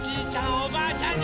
おばあちゃんに。